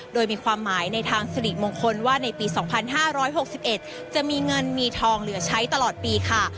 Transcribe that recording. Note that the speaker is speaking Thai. โดยมีความหมายในทางสิริมงคลว่าในปี๒๕๖๑จะมีเงินมีทองเหลือใช้ตลอดปีค่ะ